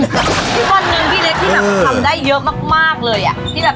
ทุกวันหนึ่งพี่เล็กที่แบบทำได้เยอะมากเลยอ่ะ